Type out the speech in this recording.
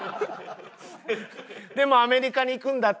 でもアメリカに行くんだって。